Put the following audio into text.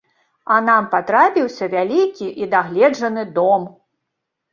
А нам патрапіўся вялікі і дагледжаны дом.